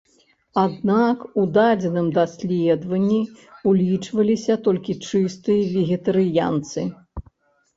Аднак у дадзеным даследаванні ўлічваліся толькі чыстыя вегетарыянцы.